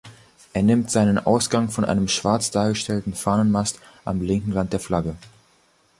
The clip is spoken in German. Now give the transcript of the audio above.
Er nimmt seinen Ausgang von einem schwarz dargestellten Fahnenmast am linken Rand der Flagge.